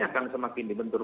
akan semakin dibentukkan